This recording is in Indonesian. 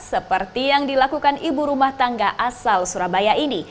seperti yang dilakukan ibu rumah tangga asal surabaya ini